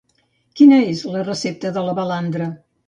Quina és la recepta de la balandra?